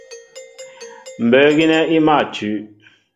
Mbə̌ gínɛ́ í mâ tʉ́.